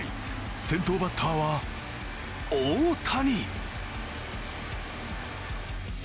先頭バッターは大谷。